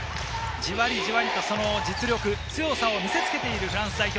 じわりじわりと強さを見せ付けているフランス代表。